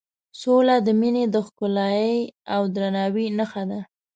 سوله د مینې د ښکلایې او درناوي نښه ده.